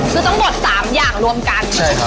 คือต้องบดสามอย่างรวมกันใช่ครับ